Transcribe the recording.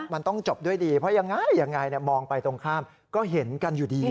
มันต้องจบด้วยดีเพราะยังไงยังไงมองไปตรงข้ามก็เห็นกันอยู่ดี